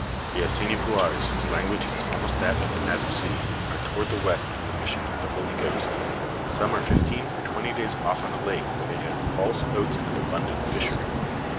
" The Assinipoiiars, whose language is almost that of the Nadouessi, are toward the west from the mission of the Holy Ghost ; some are fifteen or twenty days off on a lake where they have false oats and abundant fishery.